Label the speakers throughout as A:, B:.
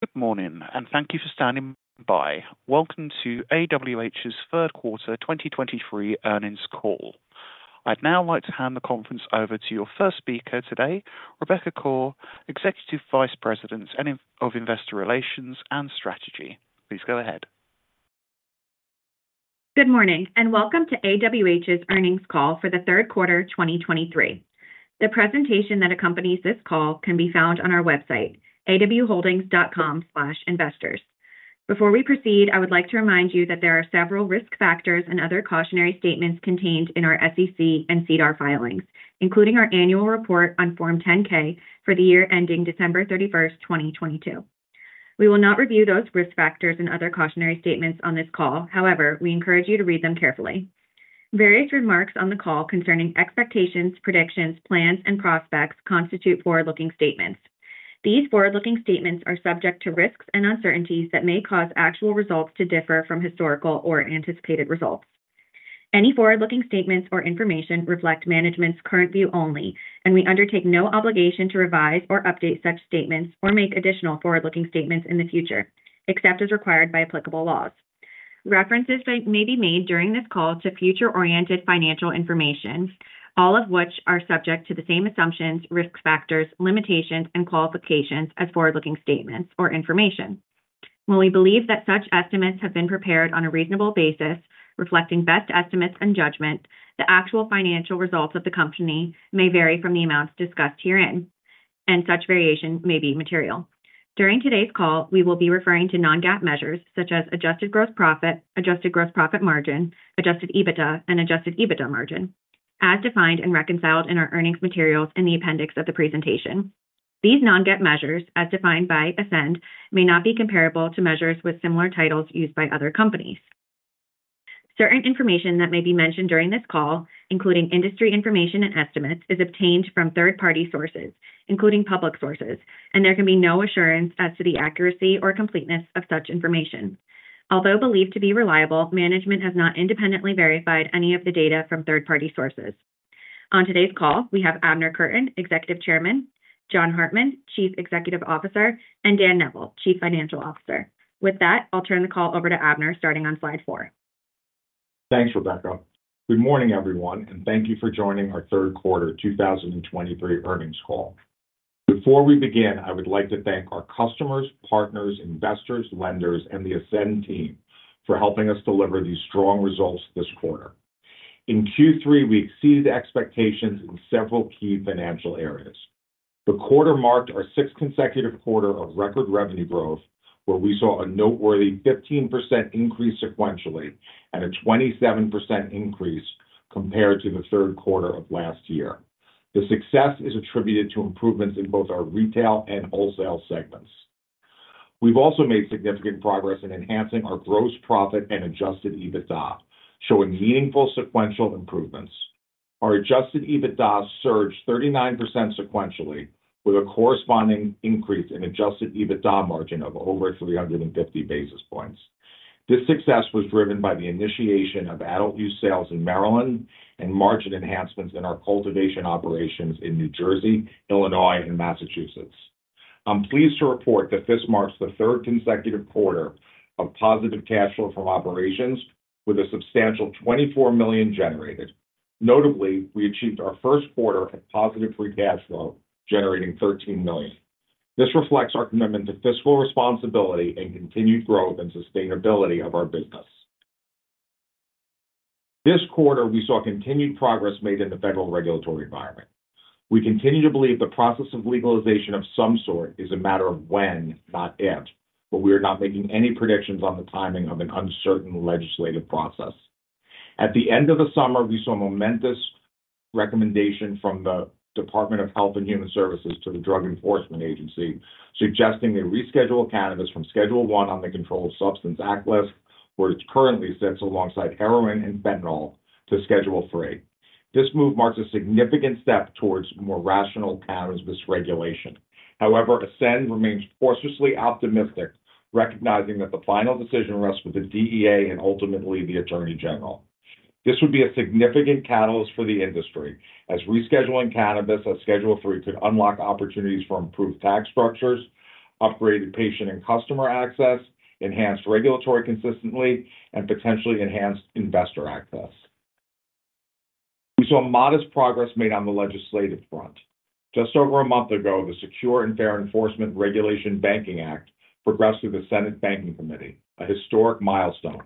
A: Good morning, and thank you for standing by. Welcome to AWH's third quarter 2023 earnings call. I'd now like to hand the conference over to your first speaker today, Rebecca Koar, Executive Vice President of Investor Relations and Strategy. Please go ahead.
B: Good morning, and welcome to AWH's earnings call for the third quarter 2023. The presentation that accompanies this call can be found on our website, awholdings.com/investors. Before we proceed, I would like to remind you that there are several risk factors and other cautionary statements contained in our SEC and SEDAR filings, including our annual report on Form 10-K for the year ending December 31, 2022. We will not review those risk factors and other cautionary statements on this call. However, we encourage you to read them carefully. Various remarks on the call concerning expectations, predictions, plans, and prospects constitute forward-looking statements. These forward-looking statements are subject to risks and uncertainties that may cause actual results to differ from historical or anticipated results. Any forward-looking statements or information reflect management's current view only, and we undertake no obligation to revise or update such statements or make additional forward-looking statements in the future, except as required by applicable laws. References may be made during this call to future-oriented financial information, all of which are subject to the same assumptions, risk factors, limitations, and qualifications as forward-looking statements or information. While we believe that such estimates have been prepared on a reasonable basis, reflecting best estimates and judgment, the actual financial results of the company may vary from the amounts discussed herein, and such variation may be material. During today's call, we will be referring to non-GAAP measures such as Adjusted Gross Profit, Adjusted Gross Profit margin, Adjusted EBITDA, and Adjusted EBITDA margin, as defined and reconciled in our earnings materials in the appendix of the presentation. These non-GAAP measures, as defined by Ascend, may not be comparable to measures with similar titles used by other companies. Certain information that may be mentioned during this call, including industry information and estimates, is obtained from third-party sources, including public sources, and there can be no assurance as to the accuracy or completeness of such information. Although believed to be reliable, management has not independently verified any of the data from third-party sources. On today's call, we have Abner Kurtin, Executive Chairman, John Hartmann, Chief Executive Officer, and Dan Neville, Chief Financial Officer. With that, I'll turn the call over to Abner, starting on slide four.
C: Thanks, Rebecca. Good morning, everyone, and thank you for joining our third quarter 2023 earnings call. Before we begin, I would like to thank our customers, partners, investors, lenders, and the Ascend team for helping us deliver these strong results this quarter. In Q3, we exceeded expectations in several key financial areas. The quarter marked our sixth consecutive quarter of record revenue growth, where we saw a noteworthy 15% increase sequentially and a 27% increase compared to the third quarter of last year. The success is attributed to improvements in both our retail and wholesale segments. We've also made significant progress in enhancing our gross profit and adjusted EBITDA, showing meaningful sequential improvements. Our adjusted EBITDA surged 39% sequentially, with a corresponding increase in adjusted EBITDA margin of over 350 basis points. This success was driven by the initiation of adult-use sales in Maryland and margin enhancements in our cultivation operations in New Jersey, Illinois, and Massachusetts. I'm pleased to report that this marks the third consecutive quarter of positive cash flow from operations, with a substantial $24 million generated. Notably, we achieved our first quarter of positive free cash flow, generating $13 million. This reflects our commitment to fiscal responsibility and continued growth and sustainability of our business. This quarter, we saw continued progress made in the federal regulatory environment. We continue to believe the process of legalization of some sort is a matter of when, not if, but we are not making any predictions on the timing of an uncertain legislative process. At the end of the summer, we saw a momentous recommendation from the Department of Health and Human Services to the Drug Enforcement Administration, suggesting they reschedule cannabis from Schedule I on the Controlled Substances Act list, where it currently sits alongside heroin and fentanyl, to Schedule III. This move marks a significant step towards more rational cannabis regulation. However, Ascend remains cautiously optimistic, recognizing that the final decision rests with the DEA and ultimately the Attorney General. This would be a significant catalyst for the industry, as rescheduling cannabis as Schedule III could unlock opportunities for improved tax structures, upgraded patient and customer access, enhanced regulatory consistency, and potentially enhanced investor access. We saw modest progress made on the legislative front. Just over a month ago, the Secure and Fair Enforcement Regulation Banking Act progressed through the Senate Banking Committee, a historic milestone,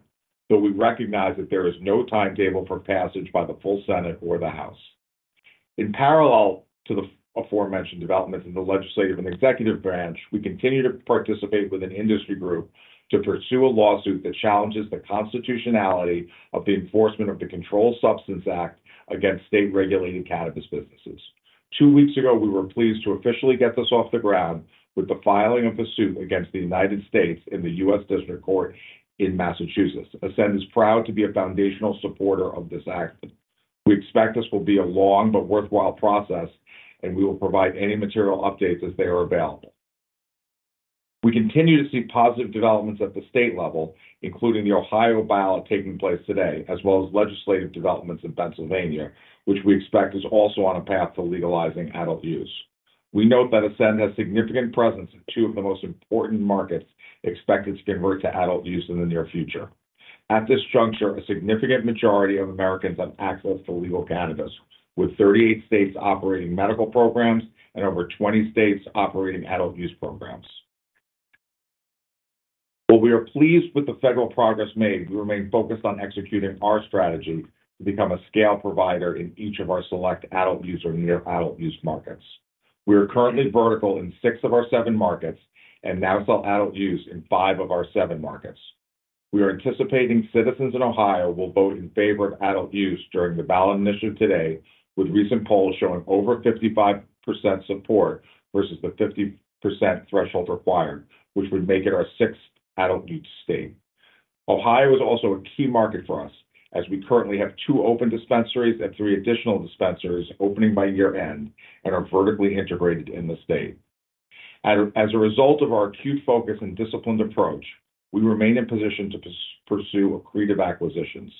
C: though we recognize that there is no timetable for passage by the full Senate or the House. In parallel to the aforementioned developments in the legislative and executive branch, we continue to participate with an industry group to pursue a lawsuit that challenges the constitutionality of the enforcement of the Controlled Substances Act against state-regulated cannabis businesses. Two weeks ago, we were pleased to officially get this off the ground with the filing of a suit against the United States in the U.S. District Court in Massachusetts. Ascend is proud to be a foundational supporter of this action. We expect this will be a long but worthwhile process, and we will provide any material updates as they are available. We continue to see positive developments at the state level, including the Ohio ballot taking place today, as well as legislative developments in Pennsylvania, which we expect is also on a path to legalizing adult-use. We note that Ascend has a significant presence in two of the most important markets expected to convert to adult-use in the near future. At this juncture, a significant majority of Americans have access to legal cannabis, with 38 states operating medical programs and over 20 states operating adult-use programs. While we are pleased with the federal progress made, we remain focused on executing our strategy to become a scale provider in each of our select adult-use or near-adult-use markets. We are currently vertical in six of our seven markets and now sell adult-use in five of our seven markets. We are anticipating citizens in Ohio will vote in favor of adult-use during the ballot initiative today, with recent polls showing over 55% support versus the 50% threshold required, which would make it our sixth adult-use state. Ohio is also a key market for us, as we currently have two open dispensaries and three additional dispensaries opening by year-end and are vertically integrated in the state. As a result of our acute focus and disciplined approach, we remain in position to pursue accretive acquisitions.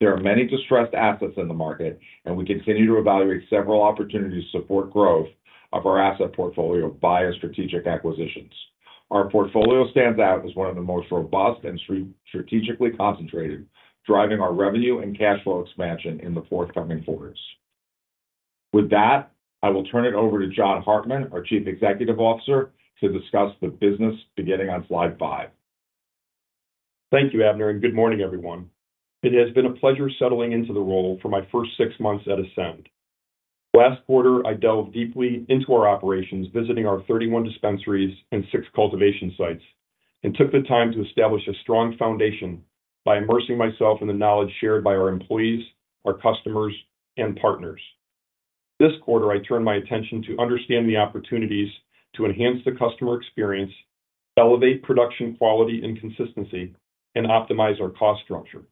C: There are many distressed assets in the market, and we continue to evaluate several opportunities to support growth of our asset portfolio via strategic acquisitions. Our portfolio stands out as one of the most robust and strategically concentrated, driving our revenue and cash flow expansion in the forthcoming quarters. With that, I will turn it over to John Hartmann, our Chief Executive Officer, to discuss the business beginning on slide five.
D: Thank you, Abner, and good morning, everyone. It has been a pleasure settling into the role for my first six months at Ascend. Last quarter, I delved deeply into our operations, visiting our 31 dispensaries and six cultivation sites, and took the time to establish a strong foundation by immersing myself in the knowledge shared by our employees, our customers, and partners. This quarter, I turned my attention to understanding the opportunities to enhance the customer experience, elevate production quality and consistency, and optimize our cost structure.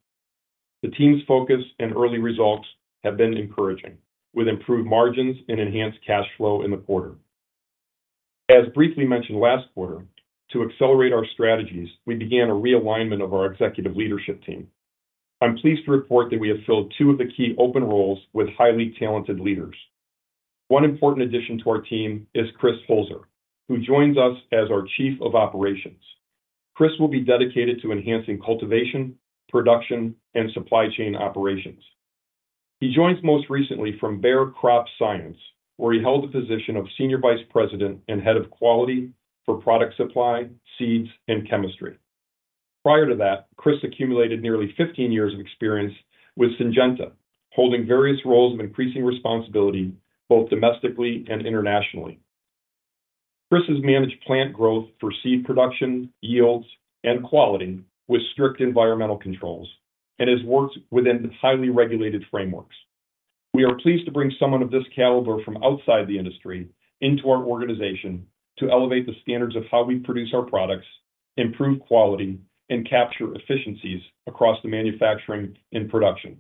D: The team's focus and early results have been encouraging, with improved margins and enhanced cash flow in the quarter. As briefly mentioned last quarter, to accelerate our strategies, we began a realignment of our executive leadership team. I'm pleased to report that we have filled two of the key open roles with highly talented leaders. One important addition to our team is Chris Holzer, who joins us as our Chief of Operations. Chris will be dedicated to enhancing cultivation, production, and supply chain operations. He joins most recently from Bayer Crop Science, where he held the position of Senior Vice President and Head of Quality for Product Supply, Seeds, and Chemistry. Prior to that, Chris accumulated nearly 15 years of experience with Syngenta, holding various roles of increasing responsibility, both domestically and internationally. Chris has managed plant growth for seed production, yields, and quality with strict environmental controls and has worked within highly regulated frameworks. We are pleased to bring someone of this caliber from outside the industry into our organization to elevate the standards of how we produce our products, improve quality, and capture efficiencies across the manufacturing and production.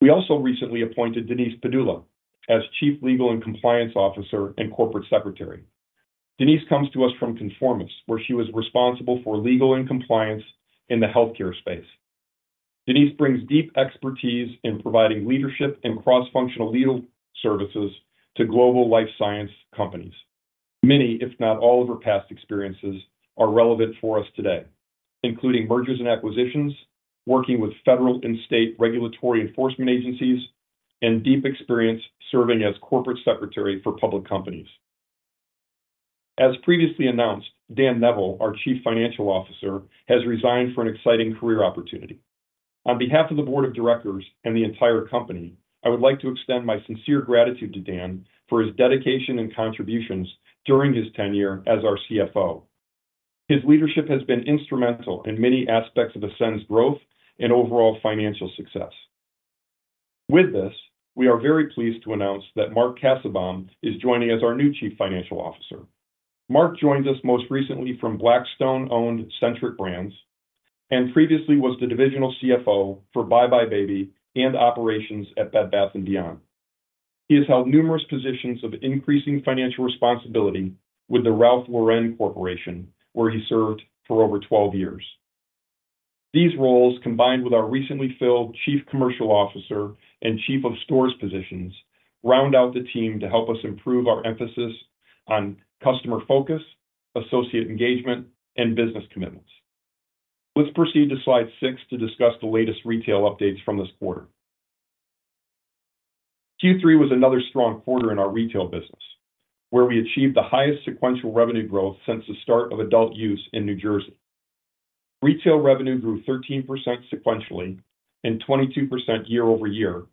D: We also recently appointed Denise Padula as Chief Legal and Compliance Officer and Corporate Secretary. Denise comes to us from Conformis, where she was responsible for legal and compliance in the healthcare space. Denise brings deep expertise in providing leadership and cross-functional legal services to global life science companies. Many, if not all, of her past experiences are relevant for us today, including mergers and acquisitions, working with federal and state regulatory enforcement agencies, and deep experience serving as corporate secretary for public companies. As previously announced, Dan Neville, our Chief Financial Officer, has resigned for an exciting career opportunity. On behalf of the board of directors and the entire company, I would like to extend my sincere gratitude to Dan for his dedication and contributions during his tenure as our CFO. His leadership has been instrumental in many aspects of Ascend's growth and overall financial success. With this, we are very pleased to announce that Mark Cassebaum is joining as our new Chief Financial Officer. Mark joins us most recently from Blackstone-owned Centric Brands and previously was the Divisional CFO for buybuy BABY and Operations at Bed Bath & Beyond. He has held numerous positions of increasing financial responsibility with the Ralph Lauren Corporation, where he served for over 12 years. These roles, combined with our recently filled Chief Commercial Officer and Chief of Stores positions, round out the team to help us improve our emphasis on customer focus, associate engagement, and business commitments. Let's proceed to slide six to discuss the latest retail updates from this quarter. Q3 was another strong quarter in our retail business, where we achieved the highest sequential revenue growth since the start of adult-use in New Jersey. Retail revenue grew 13% sequentially and 22% year-over-year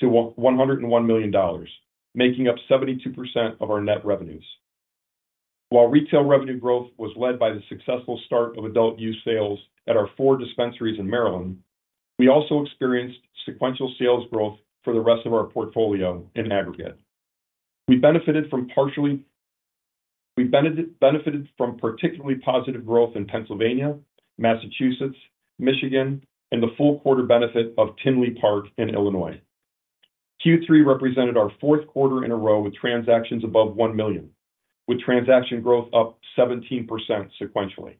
D: to $101 million, making up 72% of our net revenues. While retail revenue growth was led by the successful start of adult-use sales at our 4 dispensaries in Maryland, we also experienced sequential sales growth for the rest of our portfolio in aggregate. We benefited from particularly positive growth in Pennsylvania, Massachusetts, Michigan, and the full quarter benefit of Tinley Park in Illinois. Q3 represented our fourth quarter in a row with transactions above 1 million, with transaction growth up 17% sequentially.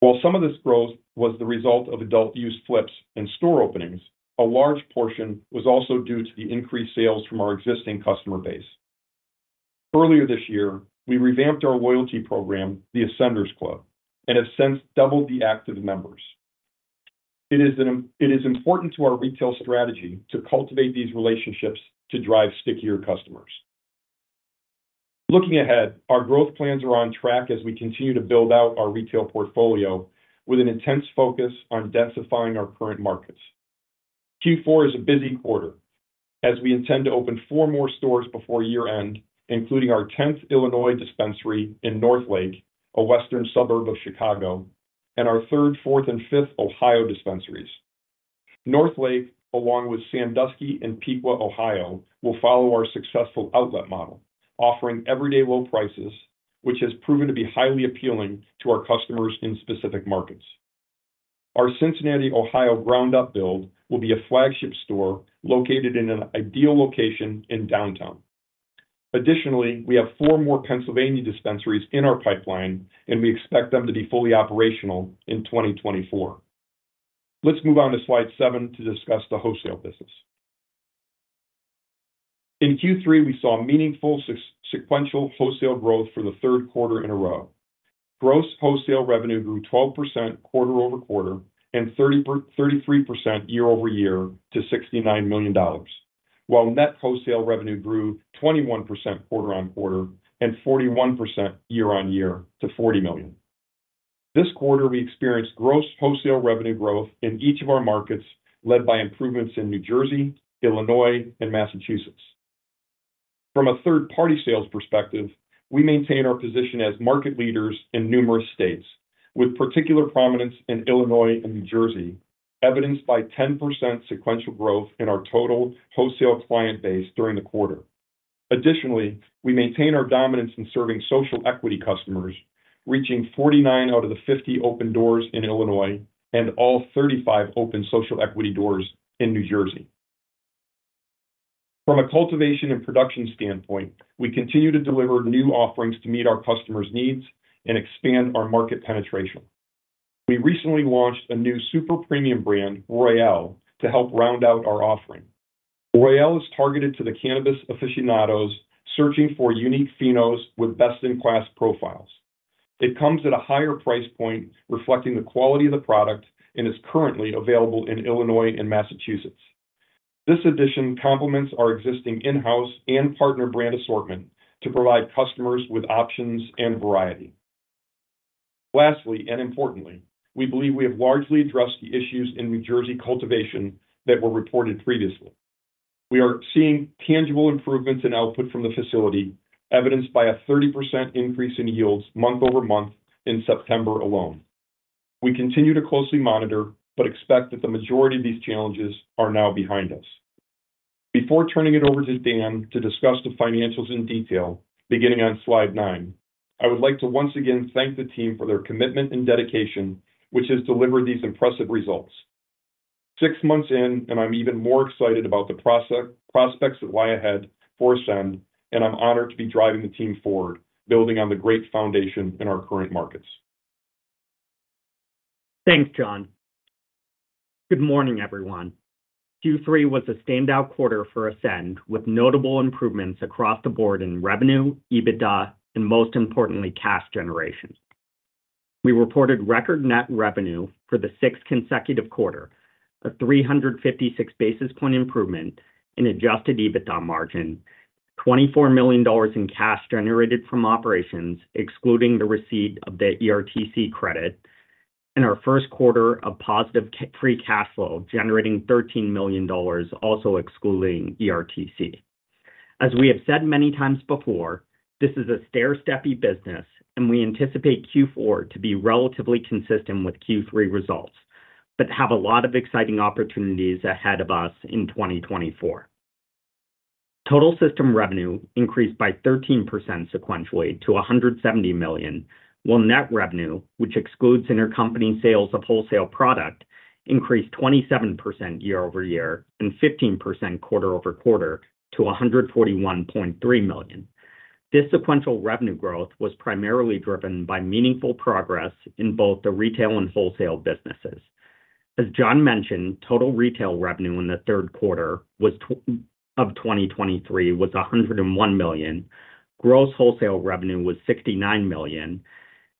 D: While some of this growth was the result of adult-use flips and store openings, a large portion was also due to the increased sales from our existing customer base. Earlier this year, we revamped our loyalty program, the Ascenders Club, and have since doubled the active members. It is important to our retail strategy to cultivate these relationships to drive stickier customers. Looking ahead, our growth plans are on track as we continue to build out our retail portfolio with an intense focus on densifying our current markets. Q4 is a busy quarter, as we intend to open four more stores before year-end, including our 10th Illinois dispensary in Northlake, a western suburb of Chicago, and our third, fourth, and fifth Ohio dispensaries. Northlake, along with Sandusky and Piqua, Ohio, will follow our successful outlet model, offering everyday low prices, which has proven to be highly appealing to our customers in specific markets. Our Cincinnati, Ohio, ground-up build will be a flagship store located in an ideal location in downtown. Additionally, we have four more Pennsylvania dispensaries in our pipeline, and we expect them to be fully operational in 2024. Let's move on to slide seven to discuss the wholesale business. In Q3, we saw meaningful sequential wholesale growth for the third quarter in a row. Gross wholesale revenue grew 12% quarter-over-quarter, and 33% year-over-year to $69 million. While net wholesale revenue grew 21% quarter-over-quarter and 41% year-over-year to $40 million. This quarter, we experienced gross wholesale revenue growth in each of our markets, led by improvements in New Jersey, Illinois, and Massachusetts. From a third-party sales perspective, we maintain our position as market leaders in numerous states, with particular prominence in Illinois and New Jersey, evidenced by 10% sequential growth in our total wholesale client base during the quarter. Additionally, we maintain our dominance in serving Social Equity customers, reaching 49 out of the 50 open doors in Illinois and all 35 open Social Equity doors in New Jersey. From a cultivation and production standpoint, we continue to deliver new offerings to meet our customers' needs and expand our market penetration. We recently launched a new super premium brand, Royale, to help round out our offering. Royale is targeted to the cannabis aficionados searching for unique phenos with best-in-class profiles. It comes at a higher price point, reflecting the quality of the product, and is currently available in Illinois and Massachusetts. This addition complements our existing in-house and partner brand assortment to provide customers with options and variety. Lastly, and importantly, we believe we have largely addressed the issues in New Jersey cultivation that were reported previously. We are seeing tangible improvements in output from the facility, evidenced by a 30% increase in yields month-over-month in September alone. We continue to closely monitor but expect that the majority of these challenges are now behind us. Before turning it over to Dan to discuss the financials in detail, beginning on slide nine, I would like to once again thank the team for their commitment and dedication, which has delivered these impressive results. Six months in, and I'm even more excited about the prospects that lie ahead for Ascend, and I'm honored to be driving the team forward, building on the great foundation in our current markets.
E: Thanks, John. Good morning, everyone. Q3 was a standout quarter for Ascend, with notable improvements across the board in revenue, EBITDA, and most importantly, cash generation. We reported record net revenue for the sixth consecutive quarter, a 356 basis point improvement in adjusted EBITDA margin, $24 million in cash generated from operations, excluding the receipt of the ERTC credit, and our first quarter of positive free cash flow, generating $13 million, also excluding ERTC. As we have said many times before, this is a stairsteppy business, and we anticipate Q4 to be relatively consistent with Q3 results, but have a lot of exciting opportunities ahead of us in 2024. Total system revenue increased by 13% sequentially to $170 million, while net revenue, which excludes intercompany sales of wholesale product, increased 27% year-over-year and 15% quarter-over-quarter to $141.3 million. This sequential revenue growth was primarily driven by meaningful progress in both the retail and wholesale businesses. As John mentioned, total retail revenue in the third quarter of 2023 was $101 million. Gross wholesale revenue was $69 million,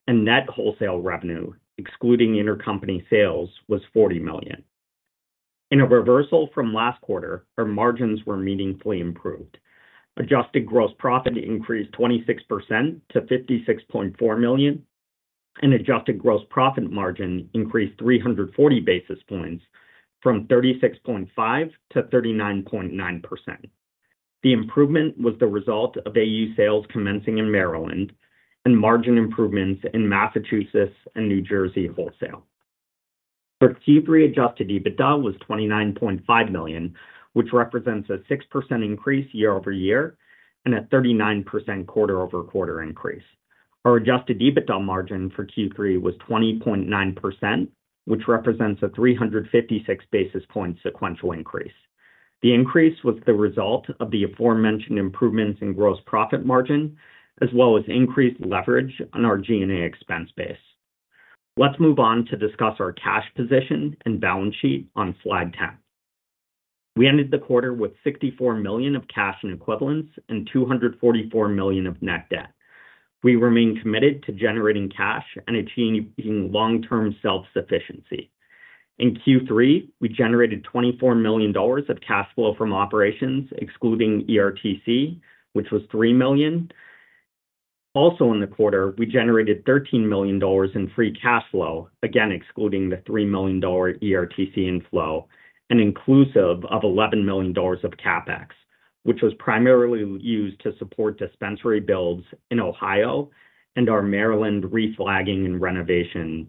E: and net wholesale revenue, excluding intercompany sales, was $40 million. In a reversal from last quarter, our margins were meaningfully improved. Adjusted gross profit increased 26% to $56.4 million, and adjusted gross profit margin increased 340 basis points from 36.5% to 39.9%. The improvement was the result of AU sales commencing in Maryland and margin improvements in Massachusetts and New Jersey wholesale. For Q3, adjusted EBITDA was $29.5 million, which represents a 6% increase year-over-year and a 39% quarter-over-quarter increase. Our adjusted EBITDA margin for Q3 was 20.9%, which represents a 356 basis point sequential increase. The increase was the result of the aforementioned improvements in gross profit margin, as well as increased leverage on our G&A expense base. Let's move on to discuss our cash position and balance sheet on slide 10. We ended the quarter with $64 million of cash and equivalents and $244 million of net debt. We remain committed to generating cash and achieving long-term self-sufficiency. In Q3, we generated $24 million of cash flow from operations, excluding ERTC, which was $3 million. Also, in the quarter, we generated $13 million in free cash flow, again, excluding the $3 million ERTC inflow and inclusive of $11 million of CapEx, which was primarily used to support dispensary builds in Ohio and our Maryland reflagging and renovation.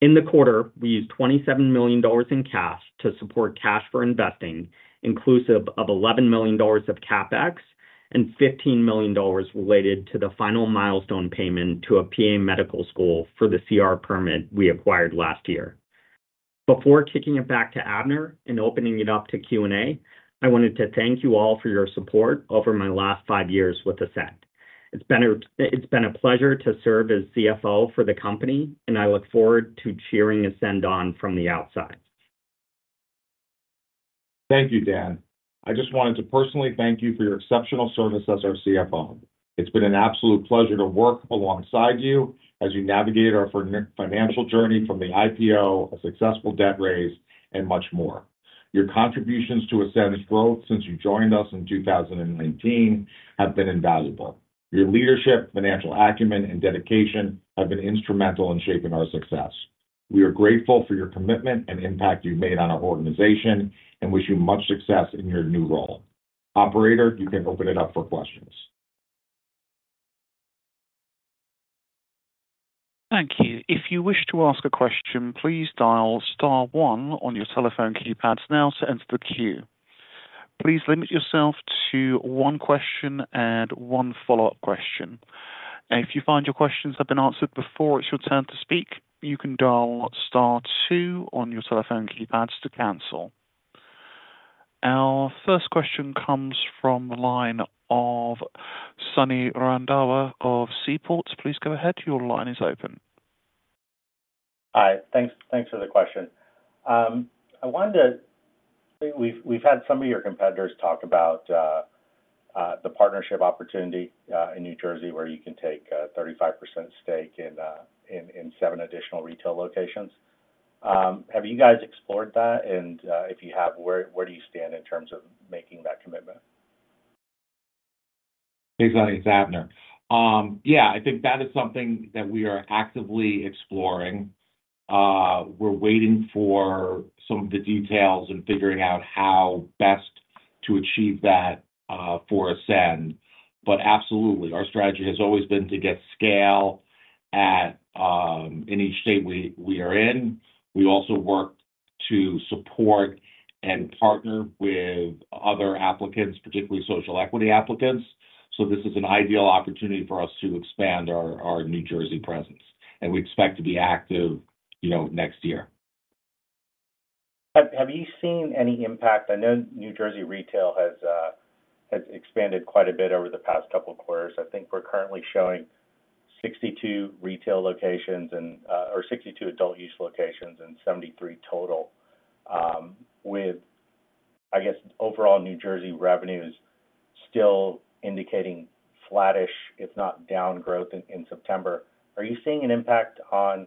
E: In the quarter, we used $27 million in cash to support cash for investing, inclusive of $11 million of CapEx and $15 million related to the final milestone payment to a PA medical school for the CR permit we acquired last year. Before kicking it back to Abner and opening it up to Q&A, I wanted to thank you all for your support over my last five years with Ascend. It's been a pleasure to serve as CFO for the company, and I look forward to cheering Ascend on from the outside.
C: Thank you, Dan. I just wanted to personally thank you for your exceptional service as our CFO. It's been an absolute pleasure to work alongside you as you navigate our financial journey from the IPO, a successful debt raise, and much more. Your contributions to Ascend's growth since you joined us in 2019 have been invaluable. Your leadership, financial acumen, and dedication have been instrumental in shaping our success. We are grateful for your commitment and impact you've made on our organization, and wish you much success in your new role. Operator, you can open it up for questions.
A: Thank you. If you wish to ask a question, please dial star one on your telephone keypads now to enter the queue. Please limit yourself to one question and one follow-up question. If you find your questions have been answered before, it's your turn to speak, you can dial star two on your telephone keypads to cancel. Our first question comes from the line of Sonny Randhawa of Seaport. Please go ahead. Your line is open.
F: Hi. Thanks, thanks for the question. I wanted to... We've had some of your competitors talk about the partnership opportunity in New Jersey, where you can take a 35% stake in seven additional retail locations. Have you guys explored that? And if you have, where do you stand in terms of making that commitment?
C: Hey, Sonny, it's Abner. Yeah, I think that is something that we are actively exploring. We're waiting for some of the details and figuring out how best to achieve that for Ascend. But absolutely, our strategy has always been to get scale at in each state we are in. We also work to support and partner with other applicants, particularly Social Equity applicants. So this is an ideal opportunity for us to expand our New Jersey presence, and we expect to be active, you know, next year.
F: Have you seen any impact? I know New Jersey retail has expanded quite a bit over the past couple of quarters. I think we're currently showing 62 retail locations and, or 62 adult-use locations and 73 total. With, I guess, overall New Jersey revenue is still indicating flattish, if not down growth in September. Are you seeing an impact on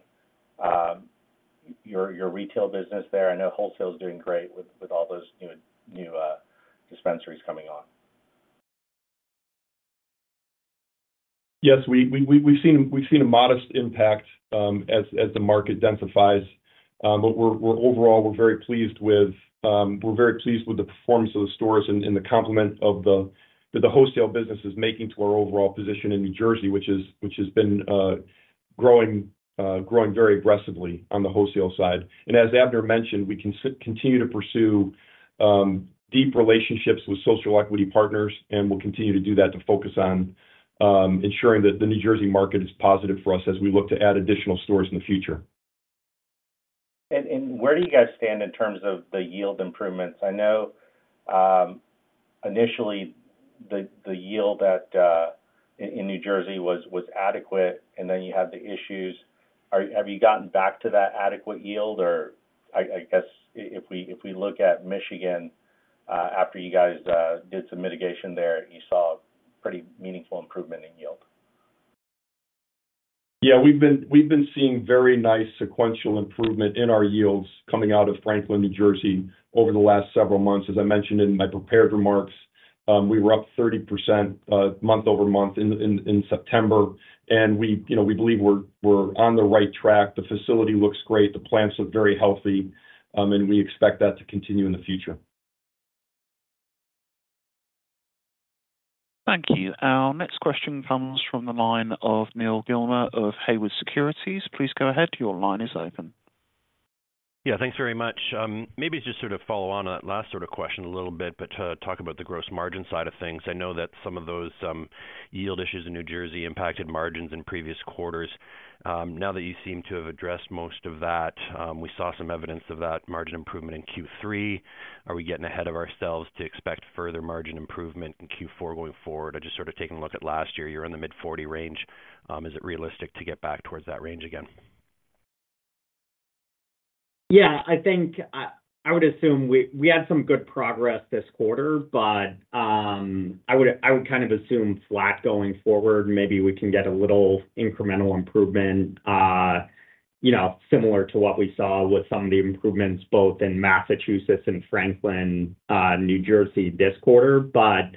F: your retail business there? I know wholesale is doing great with all those new dispensaries coming on.
D: Yes, we've seen a modest impact as the market densifies. But we're overall very pleased with the performance of the stores and the complement of the wholesale business is making to our overall position in New Jersey, which has been growing very aggressively on the wholesale side. And as Abner mentioned, we continue to pursue deep relationships with Social Equity partners, and we'll continue to do that to focus on ensuring that the New Jersey market is positive for us as we look to add additional stores in the future.
F: Where do you guys stand in terms of the yield improvements? I know, initially, the yield that in New Jersey was adequate, and then you had the issues. Have you gotten back to that adequate yield? Or I guess if we look at Michigan, after you guys did some mitigation there, you saw a pretty meaningful improvement in yield.
D: Yeah, we've been seeing very nice sequential improvement in our yields coming out of Franklin, New Jersey, over the last several months. As I mentioned in my prepared remarks, we were up 30% month-over-month in September, and you know, we believe we're on the right track. The facility looks great, the plants look very healthy, and we expect that to continue in the future.
A: Thank you. Our next question comes from the line of Neal Gilmer of Haywood Securities. Please go ahead. Your line is open. ...
G: Yeah, thanks very much. Maybe just sort of follow on that last sort of question a little bit, but, talk about the gross margin side of things. I know that some of those, yield issues in New Jersey impacted margins in previous quarters. Now that you seem to have addressed most of that, we saw some evidence of that margin improvement in Q3. Are we getting ahead of ourselves to expect further margin improvement in Q4 going forward? Or just sort of taking a look at last year, you're in the mid-forty range. Is it realistic to get back towards that range again?
E: Yeah, I think I would assume we had some good progress this quarter, but I would kind of assume flat going forward. Maybe we can get a little incremental improvement, you know, similar to what we saw with some of the improvements both in Massachusetts and Franklin, New Jersey this quarter. But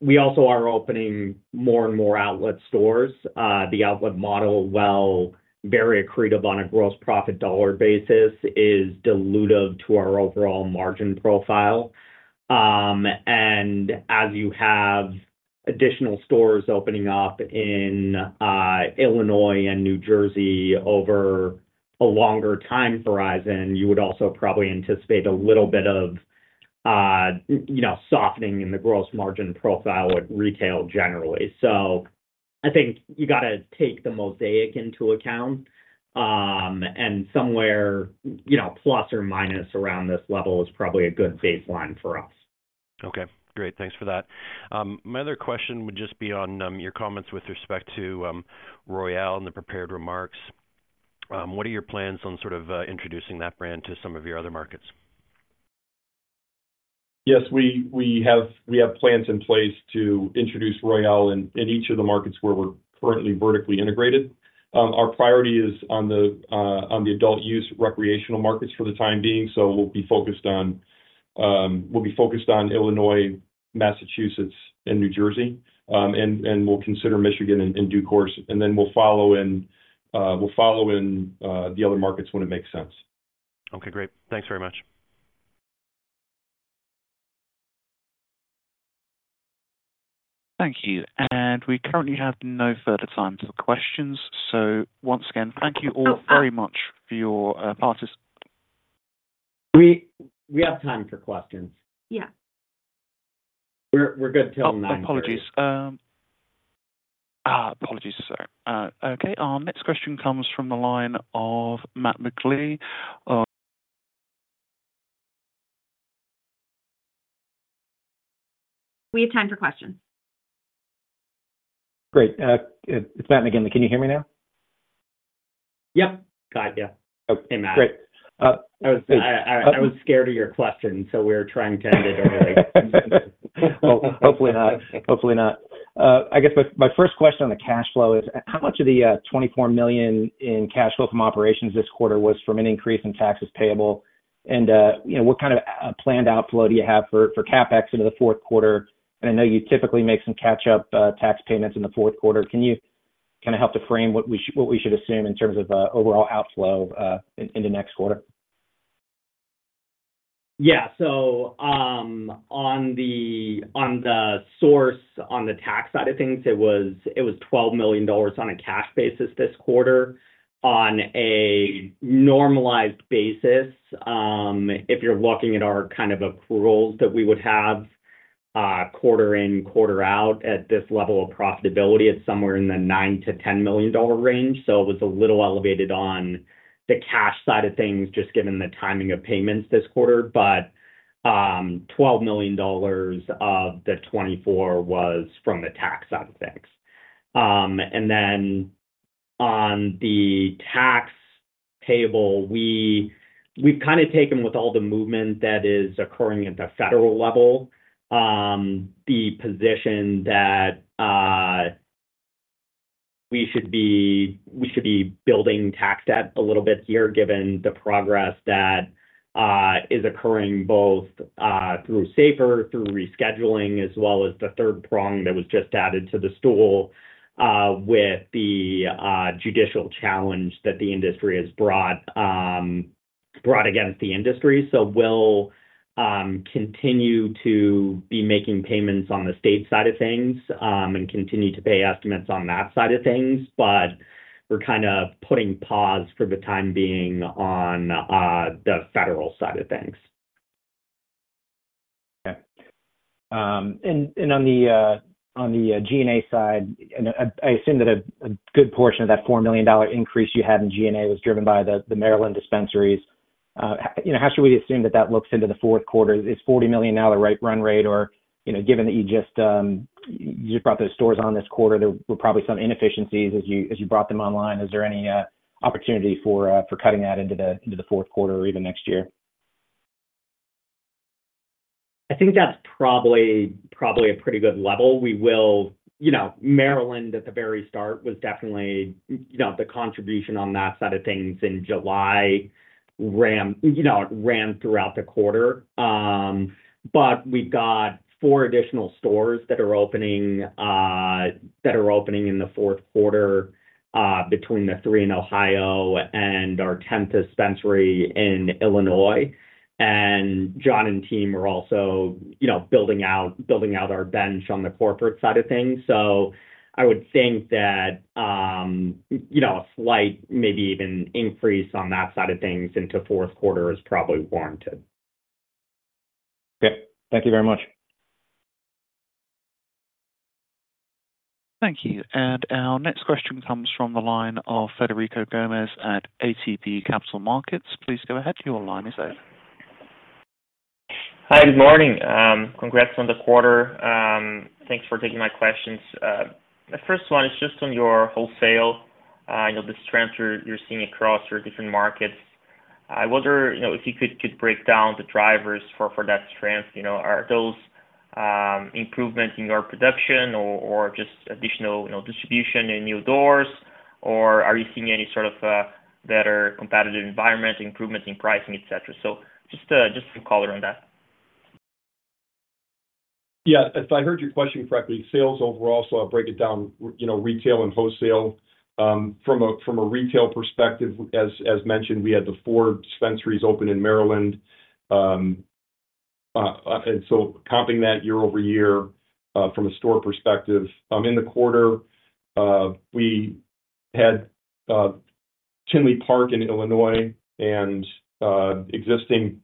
E: we also are opening more and more outlet stores. The outlet model, while very accretive on a gross profit dollar basis, is dilutive to our overall margin profile. And as you have additional stores opening up in Illinois and New Jersey over a longer time horizon, you would also probably anticipate a little bit of, you know, softening in the gross margin profile with retail generally. So I think you got to take the mosaic into account, and somewhere, you know, plus or minus around this level is probably a good baseline for us.
G: Okay, great. Thanks for that. My other question would just be on your comments with respect to Royale and the prepared remarks. What are your plans on sort of introducing that brand to some of your other markets?
D: Yes, we have plans in place to introduce Royale in each of the markets where we're currently vertically integrated. Our priority is on the adult-use recreational markets for the time being. So we'll be focused on Illinois, Massachusetts, and New Jersey. And we'll consider Michigan in due course, and then we'll follow in the other markets when it makes sense.
G: Okay, great. Thanks very much.
A: Thank you. We currently have no further time for questions. Once again, thank you all very much for your particip-
E: We have time for questions.
B: Yeah.
E: We're good till 9:30 A.M.
A: Oh, apologies. Apologies, sir. Okay, our next question comes from the line of Matt McGinley.
B: We have time for questions.
H: Great. It's Matt McGinley. Can you hear me now?
E: Yep. Got you.
H: Okay, great.
E: Hey, Matt.
H: Uh,
E: I was scared of your question, so we were trying to end it early.
H: Well, hopefully not. Hopefully not. I guess my first question on the cash flow is, how much of the $24 million in cash flow from operations this quarter was from an increase in taxes payable? And you know, what kind of planned outflow do you have for CapEx into the fourth quarter? And I know you typically make some catch-up tax payments in the fourth quarter. Can you kind of help to frame what we should assume in terms of overall outflow in the next quarter?
E: Yeah. So, on the source, on the tax side of things, it was $12 million on a cash basis this quarter. On a normalized basis, if you're looking at our kind of approvals that we would have quarter in, quarter out at this level of profitability, it's somewhere in the $9 million-$10 million range. So it was a little elevated on the cash side of things, just given the timing of payments this quarter. But, $12 million of the $24 million was from the tax side of things. And then on the tax payable, we've kind of taken with all the movement that is occurring at the federal level, the position that we should be building tax debt a little bit here, given the progress that is occurring both through SAFER, through rescheduling, as well as the third prong that was just added to the stool, with the judicial challenge that the industry has brought against the industry. So we'll continue to be making payments on the state side of things, and continue to pay estimates on that side of things, but we're kind of putting pause for the time being on the federal side of things.
H: Okay. And on the G&A side, and I assume that a good portion of that $4 million increase you had in G&A was driven by the Maryland dispensaries. You know, how should we assume that looks into the fourth quarter? Is $40 million now the right run rate, or, you know, given that you just brought those stores on this quarter, there were probably some inefficiencies as you brought them online? Is there any opportunity for cutting that into the fourth quarter or even next year?
E: I think that's probably, probably a pretty good level. We will... You know, Maryland, at the very start, was definitely, you know, the contribution on that side of things in July ran, you know, ran throughout the quarter. But we've got four additional stores that are opening, that are opening in the fourth quarter, between the three in Ohio and our tenth dispensary in Illinois. And John and team are also, you know, building out, building out our bench on the corporate side of things. So I would think that, you know, a slight, maybe even increase on that side of things into fourth quarter is probably warranted....
H: Okay, thank you very much.
A: Thank you. Our next question comes from the line of Frederico Gomes at ATB Capital Markets. Please go ahead, your line is open.
I: Hi, good morning. Congrats on the quarter. Thanks for taking my questions. The first one is just on your wholesale. I know the strength you're seeing across your different markets. I wonder, you know, if you could break down the drivers for that strength. You know, are those improvements in your production or just additional, you know, distribution in new doors? Or are you seeing any sort of better competitive environment, improvements in pricing, et cetera? So just to color on that.
D: Yeah, if I heard your question correctly, sales overall, so I'll break it down, you know, retail and wholesale. From a retail perspective, as mentioned, we had the four dispensaries open in Maryland. And so comping that year-over-year, from a store perspective, in the quarter, we had Tinley Park in Illinois and existing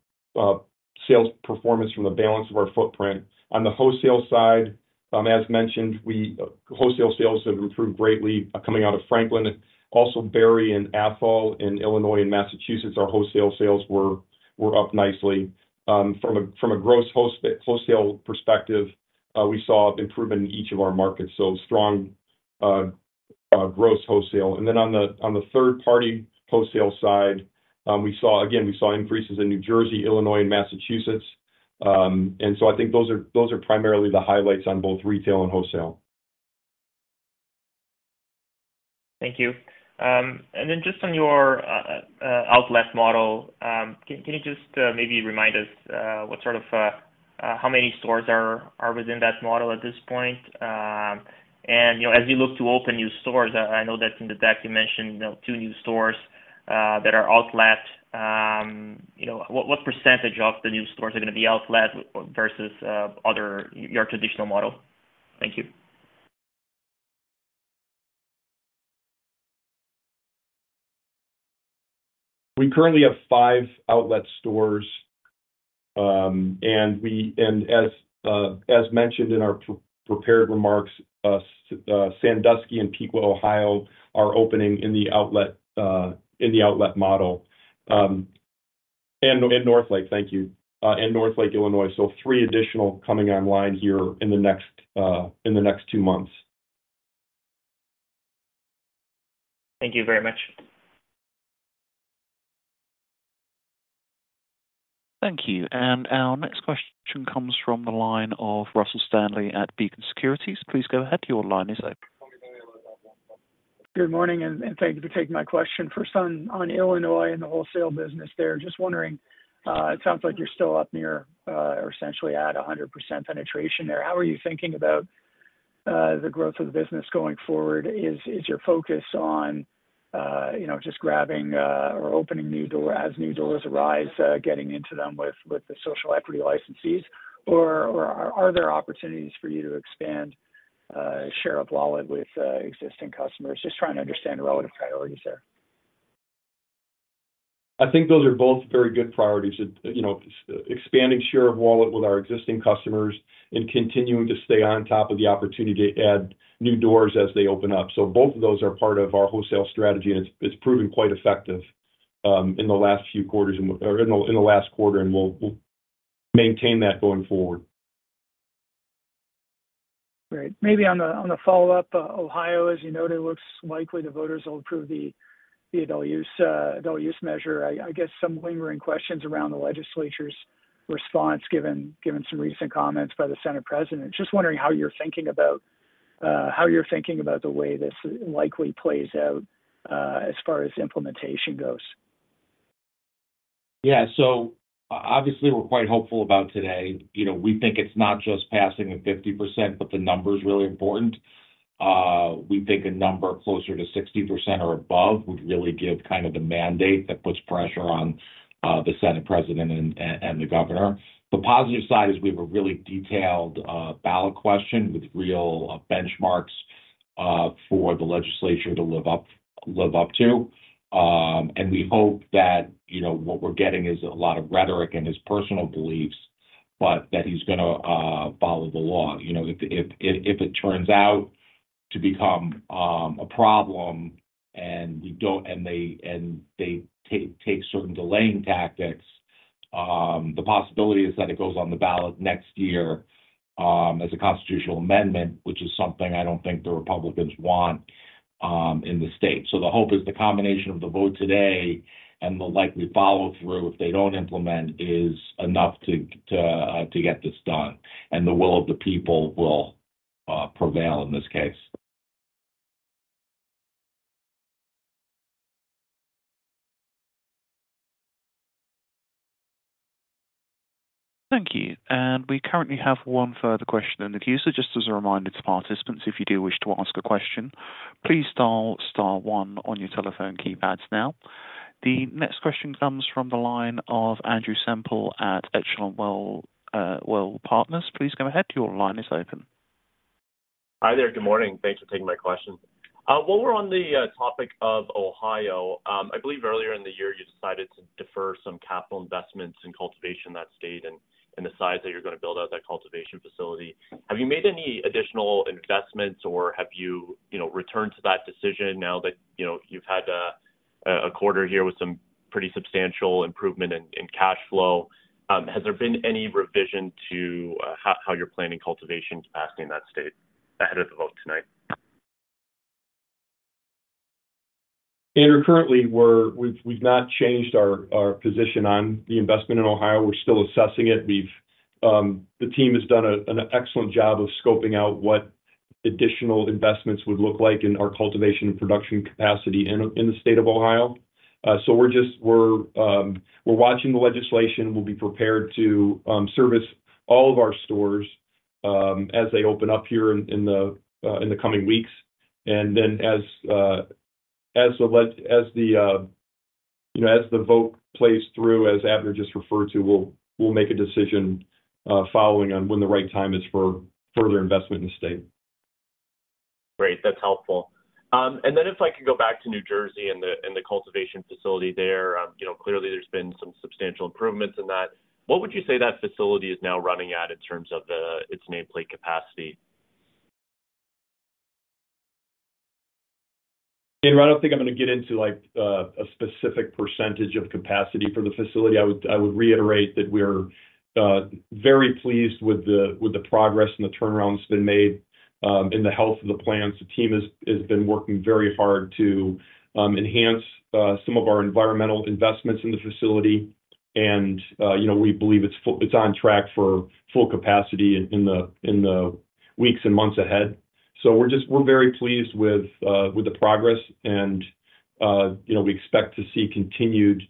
D: sales performance from the balance of our footprint. On the wholesale side, as mentioned, wholesale sales have improved greatly coming out of Franklin. Also, Barry and Athol in Illinois and Massachusetts, our wholesale sales were up nicely. From a gross wholesale perspective, we saw improvement in each of our markets, so strong gross wholesale. And then on the third-party wholesale side, we saw... Again, we saw increases in New Jersey, Illinois, and Massachusetts. And so I think those are, those are primarily the highlights on both retail and wholesale.
I: Thank you. Then, just on your outlet model, can you just maybe remind us what sort of how many stores are within that model at this point? And, you know, as you look to open new stores, I know that in the deck, you mentioned, you know, two new stores that are outlet. You know, what percentage of the new stores are gonna be outlet versus other your traditional model? Thank you.
D: We currently have five outlet stores. As mentioned in our prepared remarks, Sandusky and Piqua, Ohio, are opening in the outlet model, and Northlake, Illinois. So three additional coming online here in the next two months.
I: Thank you very much.
A: Thank you. Our next question comes from the line of Russell Stanley at Beacon Securities. Please go ahead, your line is open.
J: Good morning, and thank you for taking my question. First on Illinois and the wholesale business there. Just wondering, it sounds like you're still up near, or essentially at 100% penetration there. How are you thinking about the growth of the business going forward? Is your focus on, you know, just grabbing, or opening new doors as new doors arise, getting into them with the social equity licensees? Or are there opportunities for you to expand share of wallet with existing customers? Just trying to understand the relative priorities there.
D: I think those are both very good priorities. You know, expanding share of wallet with our existing customers and continuing to stay on top of the opportunity to add new doors as they open up. So both of those are part of our wholesale strategy, and it's proven quite effective in the last few quarters or in the last quarter, and we'll maintain that going forward.
J: Great. Maybe on the follow-up, Ohio, as you noted, it looks likely the voters will approve the adult-use measure. I guess some lingering questions around the legislature's response, given some recent comments by the Senate President. Just wondering how you're thinking about the way this likely plays out, as far as implementation goes.
D: Yeah. So obviously, we're quite hopeful about today. You know, we think it's not just passing at 50%, but the number is really important. We think a number closer to 60% or above would really give kind of the mandate that puts pressure on the Senate President and the governor. The positive side is we have a really detailed ballot question with real benchmarks for the legislature to live up to. And we hope that, you know, what we're getting is a lot of rhetoric and his personal beliefs, but that he's gonna follow the law. You know, if it turns out to become a problem and they take certain delaying tactics, the possibility is that it goes on the ballot next year as a constitutional amendment, which is something I don't think the Republicans want in the state. So the hope is the combination of the vote today and the likely follow-through, if they don't implement, is enough to get this done, and the will of the people will prevail in this case.
A: Thank you. We currently have one further question in the queue. So just as a reminder to participants, if you do wish to ask a question, please dial star one on your telephone keypads now. The next question comes from the line of Andrew Semple at Echelon Wealth Partners. Please go ahead, your line is open....
K: Hi there. Good morning. Thanks for taking my question. While we're on the topic of Ohio, I believe earlier in the year you decided to defer some capital investments in cultivation in that state and the size that you're going to build out that cultivation facility. Have you made any additional investments, or have you, you know, returned to that decision now that, you know, you've had a quarter here with some pretty substantial improvement in cash flow? Has there been any revision to how you're planning cultivation capacity in that state ahead of the vote tonight?
D: Andrew, currently we've not changed our position on the investment in Ohio. We're still assessing it. The team has done an excellent job of scoping out what additional investments would look like in our cultivation and production capacity in the state of Ohio. So we're just watching the legislation. We'll be prepared to service all of our stores as they open up here in the coming weeks. And then as you know, as the vote plays through, as Abner just referred to, we'll make a decision following on when the right time is for further investment in the state.
K: Great, that's helpful. And then if I could go back to New Jersey and the cultivation facility there. You know, clearly, there's been some substantial improvements in that. What would you say that facility is now running at in terms of its nameplate capacity?
D: Andrew, I don't think I'm going to get into, like, a specific percentage of capacity for the facility. I would, I would reiterate that we're very pleased with the progress and the turnaround's been made in the health of the plants. The team has been working very hard to enhance some of our environmental investments in the facility. And, you know, we believe it's on track for full capacity in the weeks and months ahead. So we're very pleased with the progress and, you know, we expect to see the continued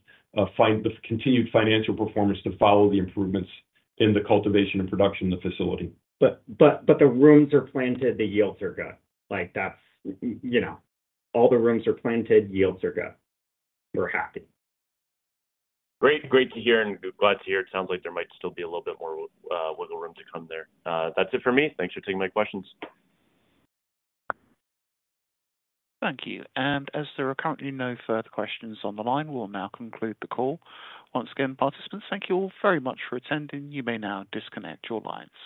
D: financial performance to follow the improvements in the cultivation and production in the facility. But the rooms are planted, the yields are good. Like, that's, you know, all the rooms are planted, yields are good. We're happy.
K: Great. Great to hear and glad to hear. It sounds like there might still be a little bit more, wiggle room to come there. That's it for me. Thanks for taking my questions.
A: Thank you, and as there are currently no further questions on the line, we'll now conclude the call. Once again, participants, thank you all very much for attending. You may now disconnect your lines.